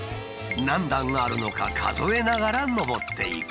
何段あるのか数えながら上っていく。